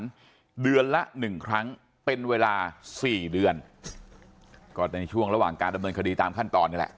เดือนละหนึ่งครั้งเป็นเวลาสี่เดือนก็ในช่วงระหว่างการดำเนินคดีตามขั้นตอนนี่แหละ